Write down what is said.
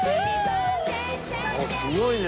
すごいね。